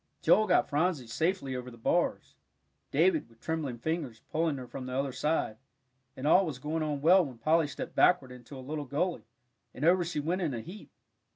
Joel got Phronsie safely over the bars, David, with trembling fingers, pulling her from the other side, and all was going on well when Polly stepped backward into a little gully, and over she went in a heap.